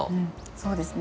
そうですね。